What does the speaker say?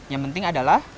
yang penting adalah